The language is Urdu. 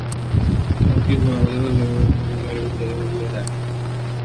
ہم آلودگی شور گنجان آبادی خود غرضی سے بہت دور تھے اور قدرت سے بہت قریب قدرت کتنی خوب صورت ہے